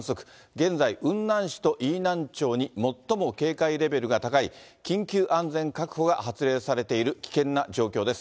現在、雲南市と飯南町に、最も警戒レベルが高い、緊急安全確保が発令されている危険な状況です。